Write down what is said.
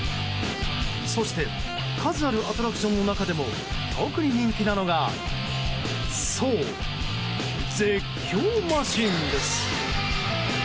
そして数あるアトラクションの中でも特に人気なのがそう、絶叫マシンです。